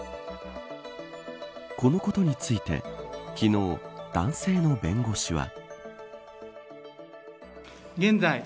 このことについて昨日男性の弁護士は。